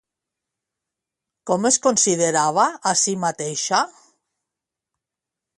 Com es considerava a si mateixa?